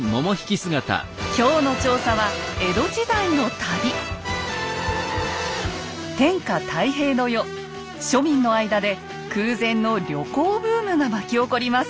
今日の調査は天下太平の世庶民の間で空前の旅行ブームが巻き起こります。